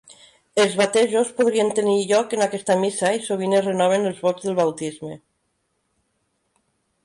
Els batejos podrien tenir lloc en aquesta missa i sovint es renoven els vots del baptisme.